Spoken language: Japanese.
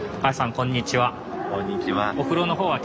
こんにちは。